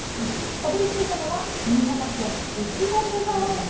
たどりついたのは新潟県越後湯沢駅。